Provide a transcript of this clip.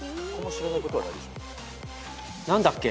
何だっけ。